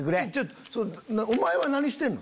お前は何してんの？